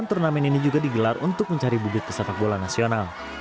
turnamen ini juga digelar untuk mencari bubut pesepak bola nasional